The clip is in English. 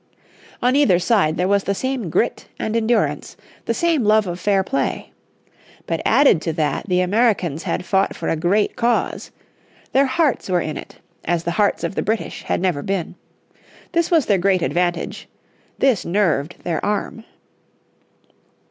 On either side there was the same grit and endurance, the same love of fair play. But added to that the Americans had fought for a great cause. Their hearts were in it, as the hearts of the British had never been. This was their great advantage. This nerved their arm.